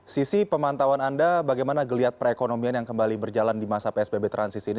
sisi pemantauan anda bagaimana geliat perekonomian yang kembali berjalan di masa psbb transisi ini